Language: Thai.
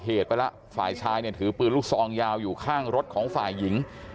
เหตุไปแล้วฝ่ายชายเนี่ยถือปืนลูกซองยาวอยู่ข้างรถของฝ่ายหญิง